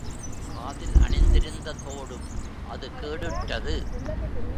காதில் அணிந்திருந்த தோடும் அது கேடுற்றது.